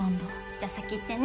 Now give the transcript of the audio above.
じゃあ先行ってんね。